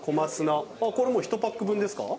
これもうひとパック分ですか？